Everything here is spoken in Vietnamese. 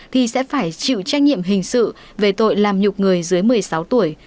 thì sẽ phải chịu trách nhiệm hình sự về tội làm nhục người dưới một mươi sáu tuổi